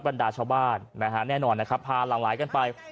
ปรรณดาชาวบ้านนะฮะแน่นอนนะครับพารางหลายกันไป